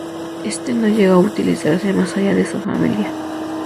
Éste no llegó a utilizarse más allá de su familia.